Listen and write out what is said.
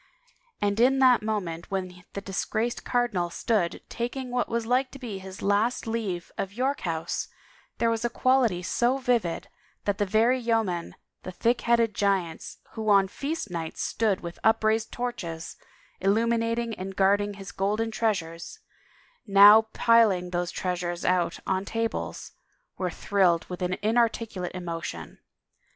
And in that moment when the disgraced cardinal stood taking what was like to be his last leave of York House there was a quality so vivid that the very yeomen, the thick headed giants who on feast nights stood with upraised torches, illuminating and guarding his golden treasures, now piling those treasures out on tables, were thrilled with an inarticulate emotion.